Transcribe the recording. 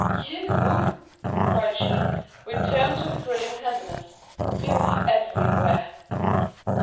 "You?" cried she, with tones of thrilling tenderness, "you are everywhere!"